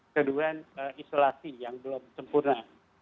kedua isolasi yang belum sempurna